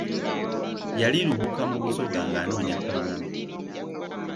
Yali Luuka mu Busoga ng’anoonya akalulu.